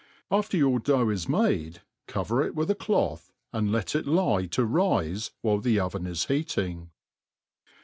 After your dough is made cover it with a cloth, and let it He to riie while the oven is heating.